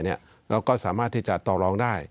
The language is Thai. แล้วก็สามารถที่จะต่อรองได้